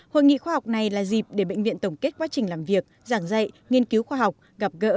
hội nghị khoa học này là dịp để bệnh viện tổng kết quá trình làm việc giảng dạy nghiên cứu khoa học gặp gỡ